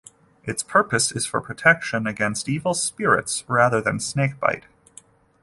Its purpose is for protection against evil spirits rather than snake bite.